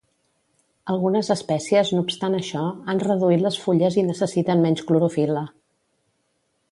Algunes espècies, no obstant això, han reduït les fulles i necessiten menys clorofil·la.